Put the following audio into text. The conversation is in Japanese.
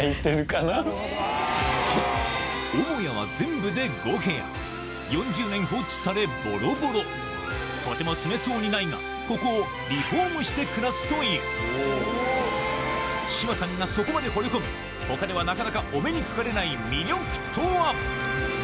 母屋は全部で５部屋４０年放置されボロボロとても住めそうにないがここを志麻さんがそこまでほれ込む他ではなかなかお目にかかれない魅力とは？